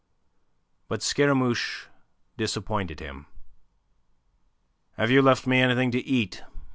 But Scaramouche disappointed him. "Have you left me anything to eat?"